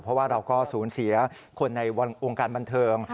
เพราะว่าเราก็สูญเสียคนในวงการบันเทิง